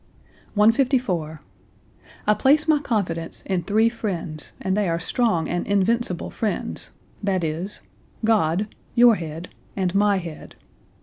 154. "I place my confidence in three friends, and they are strong and invincible friends, viz: God, your head and my head.